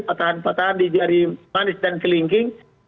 patahan patahan di jari manis dan kelingking